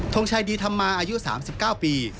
งชัยดีธรรมาอายุ๓๙ปี